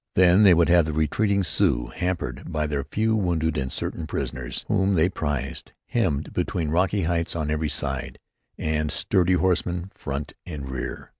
Then they would have the retreating Sioux, hampered by their few wounded and certain prisoners whom they prized, hemmed between rocky heights on every side, and sturdy horsemen front and rear.